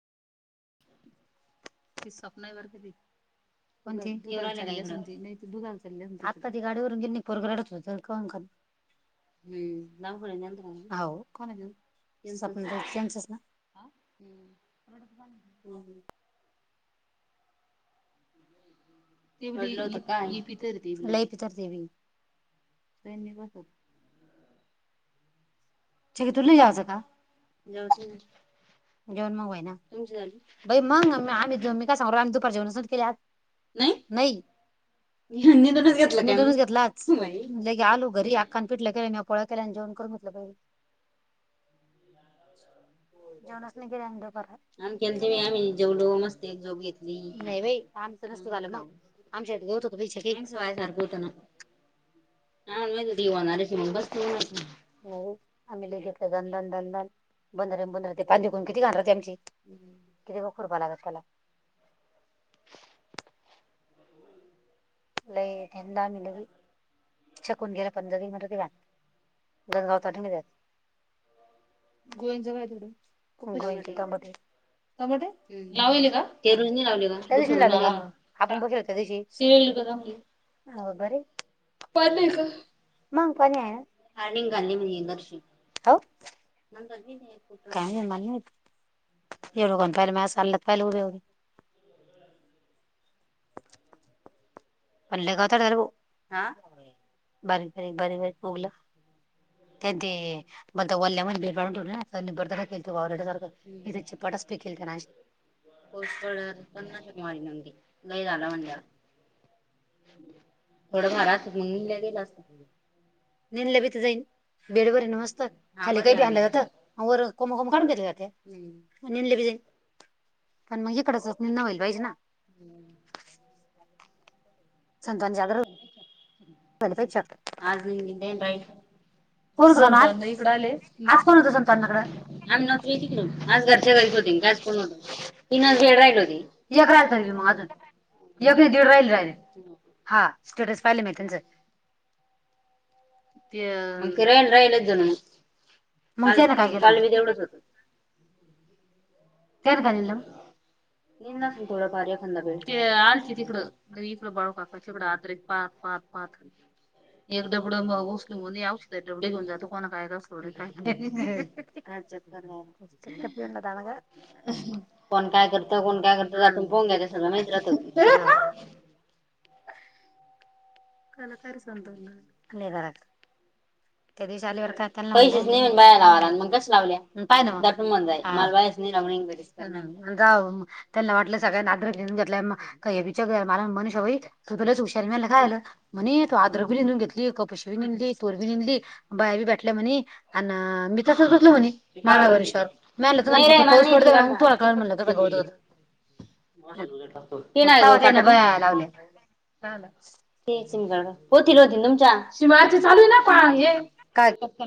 Swap वरती [inaudible] कोण दुा आता ती गाडीवरून गे परोरगडत होत [inaudible] ह [inaudible] हम् ना को को ना [inaudible] ह हम्रण. [inaudible] हम्म हम्म. ते पितर देवी प देवी कस. [inaudible] की तुले जाचं का. जेवण मगय होयना. शतु मग आम्ही मी काय सांगो आम्ही दुपार जेवणाून केल्या. [inaudible] नाही नाही निंदूनच निंदूनच घेतला आज आलो घरी आकां [inaudible] पिटलं केल्या आणिपोळा केल्या आणि जेणून म्हटलं पहिले [inaudible] जेवच नाही केली. आम्ही केलीती आम्ही जेवलो मस्ते झोप घेतली, नाही बाई आमचं नसतो झालं मग आमच्यात गेवत होत पय सारखं होत ना. हा मे दुध होणारच बस तव नास [inaudible] आम्ही लय घेतल दनदन. बंधार बधर ते पाांिकून किती घाणारतेमची किती खुरपा लागतात त्याला. [inaudible] नाही कुर पण. [inaudible] गावता गोच काय थडं. [inaudible] ई त्यामध्ये. [inaudible] तमटे लावले का लावले त्या दिवशी लावल का आपण बघल त्या दिवशी [inaudible] बर प [inaudible] मग पाणी आहे ना कार् घालीक्ष हो म [inaudible] काही होोग प म सले पल उरे होगे. [inaudible] [inaudible] पणले गा होता खर बारीक बारीक बारी बारी मुगलं. [inaudible] त्या ते ब वल्ल्या भे त्यां बरा केल वा सारखं. [inaudible] चे पटच बिकल त्या ना लय झा आला म्हटल्यावर [inaudible] थोडं घार असत मग निलं गेलं असत नि [inaudible] बेड बर आहे न मस्त खाली काही भ आणलं जातं वर कोमकम काढून केले जाते [inaudible] निेले बीजईल पण मग इकडंचच निण होईल पाहिजे ना. [inaudible] हम्म. पंजां जार बतीच्या [inaudible] प चकजे राई आज [inaudible] को हो इकड आले आ को होतनाक आम्ही आज घरच्या घरीत होती. [inaudible] तीन दीड राहिल हो एक राहिल तर मग अजून एक नाही दीड राहिल राहिल. हा स्टेटस पाहिले म्या तुमचं ते रेंन राहिलच जण कालबी तेवढेच होत. कान कायलं. म थोड कार्याख ते आते तिकड इकड बाळ चिकड आत पा पा पातल. एक डबडं म होसल म्ह औषधात डबडे घेऊन जातो कोणा काय क काय. अप त का. कोण काय करत कोण काय करत पोंग ते सगळं माहीत राहत. कलाकार ते चालतं अक त्या दिवशी आल्यावर नेऊन बाया लावाला मग कस लावल्याट जाये आपण इंग्लिज. त्यांना वाटलं सगळ्यांनी ना आद्र घेऊन घेतला का बच म मनशा होई. तू तुलाच हुशारारी मिळायला काय आलं म्हणे तो आद्र बी निंदून घेतली कपशी बी निंदून तोर बी नींद अली बाया बी बेठल्या म्हणे आणि मी तसच बसलो म्हणे माझ्या भरोशावर पाऊस पडतोय म्हणला तथळ हो या लावले. ठी होती रती तुमच्या शिव आरती चालू ना पहा ये [unintelligible] अच्छा